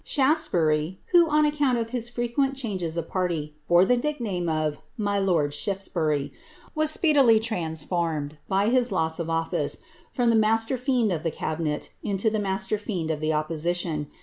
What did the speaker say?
Shafteebury, who, on account of his frequent changes of party, bore the nickname of *^mj [ lord »S'/riy/5^iry," * was speedily transformed, by his loss of office, from the mastcr ficnd of the cabinet into the master fiend of tlie opposition.